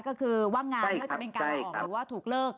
ก็คือว่างงานไม่ว่าจะเป็นการออกหรือว่าถูกเลิก